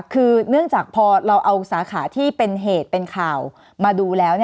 คือเนื่องจากพอเราเอาสาขาที่เป็นเหตุเป็นข่าวมาดูแล้ว